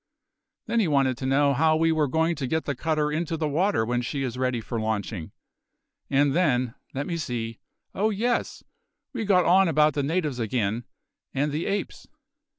Then he wanted to know how we are going to get the cutter into the water when she is ready for launching; and then let me see oh, yes, we got on about the natives again and the apes.